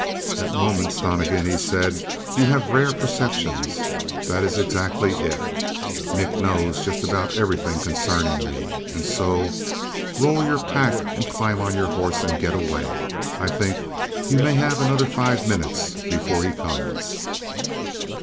"At moments, Donnegan," he said, "you have rare perceptions. That is exactly it Nick knows just about everything concerning me. And so roll your pack and climb on your horse and get away. I think you may have another five minutes before he comes."